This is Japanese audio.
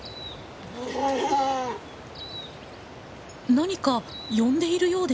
何か呼んでいるようです。